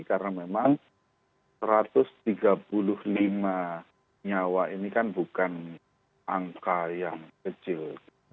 karena memang satu ratus tiga puluh lima nyawa ini kan bukan angka yang kecil